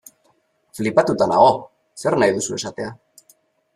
Flipatuta nago, zer nahi duzu esatea.